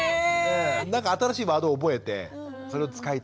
なんか新しいワードを覚えてそれを使いたいみたいな。